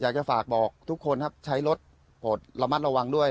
อยากจะฝากบอกทุกคนครับใช้รถโปรดระมัดระวังด้วย